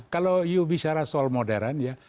kalau you bicara soal modern ya